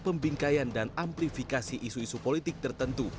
pembingkaian dan amplifikasi isu isu politik tertentu